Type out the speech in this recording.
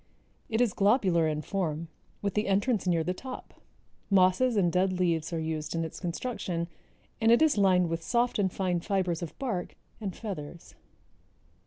It is globular in form with the entrance near the top. Mosses and dead leaves are used in its construction and it is lined with soft and fine fibers of bark and feathers.